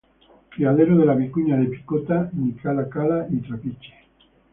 Criadero de la vicuña de Picota ni Cala Cala y Trapiche.